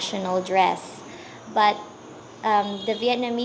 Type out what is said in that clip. trong thế giới